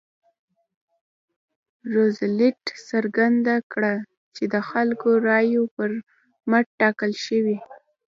روزولټ څرګنده کړه چې د خلکو رایو پر مټ ټاکل شوی.